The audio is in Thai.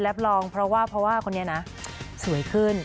รับรองเพราะว่าคนนี้สวยขึ้น